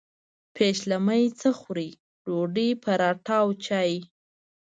پیشلمۍ څه خورئ؟ ډوډۍ، پراټه او چاي